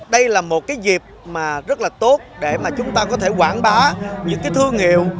đây là một cái dịp mà rất là tốt để mà chúng ta có thể quảng bá những cái thương hiệu